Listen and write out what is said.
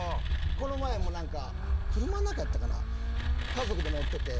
この前も車の中やったかな家族で乗ってて。